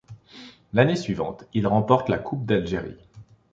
L'année suivante il remporte la coupe d Algérie.